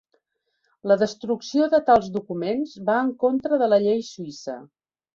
La destrucció de tals documents va en contra de la llei suïssa.